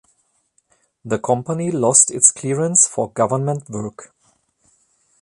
The company lost its clearance for government work.